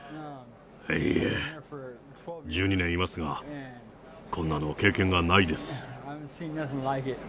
いいえ、１２年いますが、こんなの経験がないです。